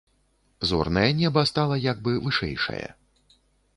Зорнае неба стала як бы вышэйшае.